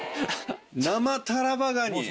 生タラバガニ！